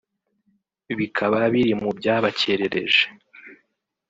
bikaba biri mu byabakerereje